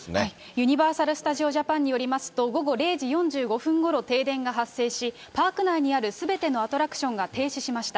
ユニバーサル・スタジオ・ジャパンによりますと、午後０時４５分ごろ、停電が発生し、パーク内にあるすべてのアトラクションが停止しました。